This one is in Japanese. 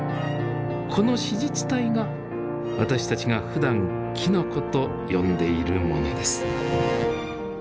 この子実体が私たちがふだん「きのこ」と呼んでいるものです。